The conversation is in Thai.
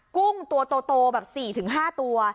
กุ้งตัวโตแบบ๔๕ตัว